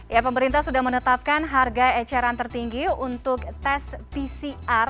ya pemerintah sudah menetapkan harga eceran tertinggi untuk tes pcr